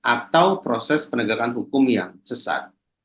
atau proses penegakan hukum yang sesat